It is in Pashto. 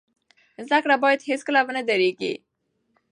زده کړه باید هیڅکله ونه دریږي.